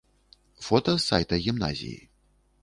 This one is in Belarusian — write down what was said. Фота з сайта гімназіі.